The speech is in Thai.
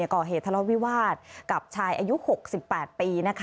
ก่อเหตุทะเลาวิวาสกับชายอายุ๖๘ปี